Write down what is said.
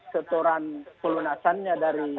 setoran pelunasannya dari